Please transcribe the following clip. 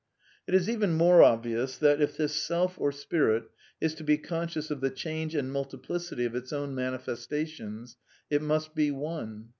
It is even more obvious that, if this Self or Spirit is to be conscious of the change and multiplicity of its own manifestations, it must be one.